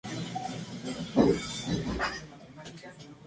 Coloración azul leve en la parte dorsal de los quelíceros.